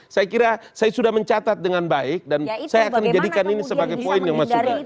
saya kira saya sudah mencatat dengan baik dan saya akan menjadikan ini sebagai poin yang masukin